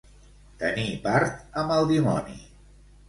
Tenir part amb el dimoni.